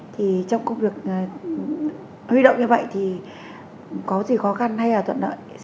thì trong công việc huy động như vậy thì có gì khó khăn hay là thuận lợi